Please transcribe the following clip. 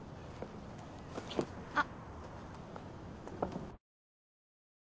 あっ。